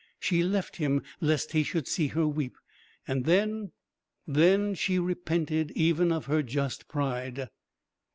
She left him lest he should see her weep, and then then she repented even of her just pride.